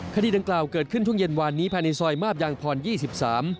คดีดังกล่าวเกิดขึ้นช่วงเย็นวานนี้ภายในซอยมาบยางพรยี่สิบสาม